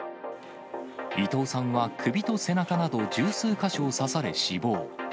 伊藤さんは首と背中など十数か所を刺され、死亡。